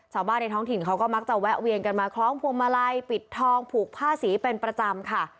ในท้องถิ่นเขาก็มักจะแวะเวียนกันมาคล้องพวงมาลัยปิดทองผูกผ้าสีเป็นประจำค่ะ